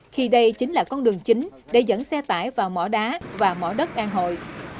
khi đây chính là con đường chính để dẫn xe tải vào mỏ đá và mỏ đất an hội